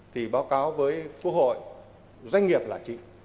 thì báo cáo với quốc hội doanh nghiệp là chị